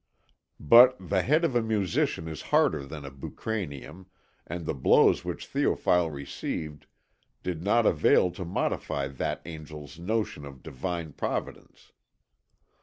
But the head of a musician is harder than a bucranium, and the blows which Théophile received did not avail to modify that angel's notion of divine providence.